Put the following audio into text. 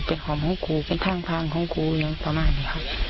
เป็นห่อมของกูเป็นทางพิพธิ์ของกูอย่างประมาณนี้ครับ